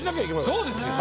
そうですよ。